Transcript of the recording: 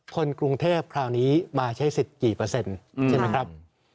คนกรุงเทพคราวนี้มาใช้สิทธิ์กี่เปอร์เซ็นต์ใช่ไหมครับ